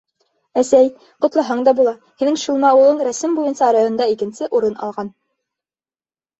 — Әсәй, ҡотлаһаң да була, һинең шилма улың рәсем буйынса районда икенсе урын алған.